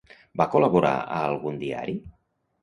Va col·laborar a algun diari?